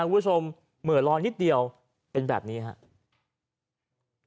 คุณผู้ชมเหมือนลอยนิดเดียวเป็นแบบนี้ครับ